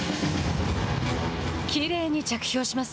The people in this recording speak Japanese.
きれいに着氷します。